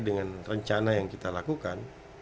dengan rencana yang kita lakukan